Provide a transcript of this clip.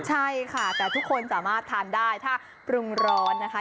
ใช่ค่ะแต่ทุกคนสามารถทานได้ถ้าปรุงร้อนนะคะ